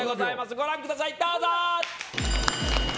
ご覧ください、どうぞ。